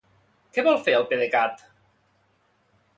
Què vol fer el PDECat?